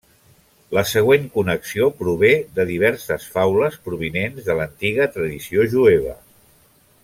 La següent connexió prové de diverses faules provinents de l'antiga tradició jueva.